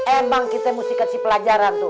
emang kita mesti kasih pelajaran tuh